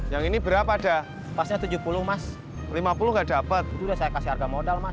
yang ini berapa dah pasnya tujuh puluh mas lima puluh gak dapat udah saya kasih harga modal mas